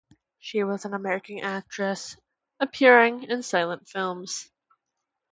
She was an American actress appearing in silent films.